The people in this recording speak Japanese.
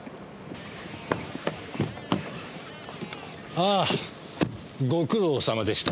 ああご苦労さまでした。